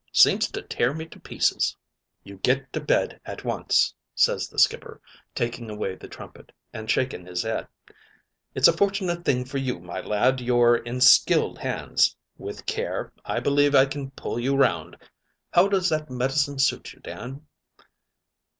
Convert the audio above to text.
Seems to tear me to pieces.' "'You get to bed at once,' says the skipper, taking away the trumpet, an' shaking his 'ed. 'It's a fortunate thing for you, my lad, you're in skilled hands. With care, I believe I can pull you round. How does that medicine suit you, Dan?'